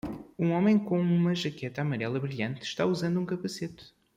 Um homem com uma jaqueta amarela brilhante está usando um capacete.